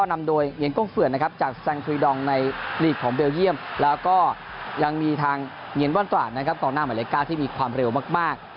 ตอนนี้บ้านต่อตอนหน้าหมายละการที่มีความเร็วมาก